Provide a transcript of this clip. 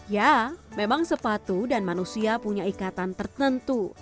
ya memang sepatu dan manusia punya ikatan tertentu